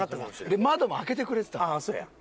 で窓も開けてくれてたやん。